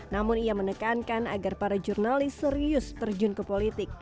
namun ia menekankan agar para jurnalis serius terjun ke politik